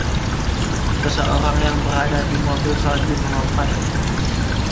Seseorang yang berada di mobil salju melompat.